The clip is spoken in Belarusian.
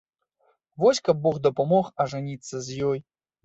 Вось каб бог дапамог ажаніцца з ёй!